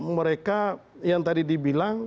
mereka yang tadi dibilang